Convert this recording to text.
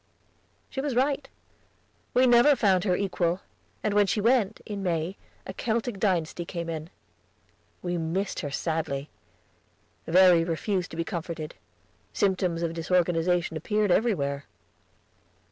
She was right, we never found her equal, and when she went, in May, a Celtic dynasty came in. We missed her sadly. Verry refused to be comforted. Symptoms of disorganization appeared everywhere.